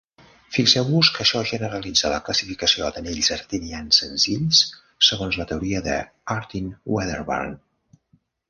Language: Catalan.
Fixeu-vos que això generalitza la classificació d'anells artinians senzills segons la teoria d'Artin-Wedderburn.